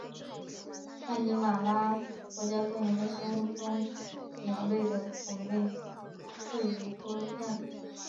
康尼玛拉国家公园的生物中以鸟类的种类最为多样。